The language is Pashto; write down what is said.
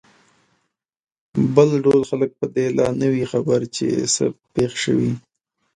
بل ډول خلک په دې لا نه وي خبر چې څه پېښ شوي.